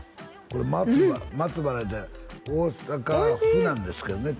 これ松原って大阪府なんですけどね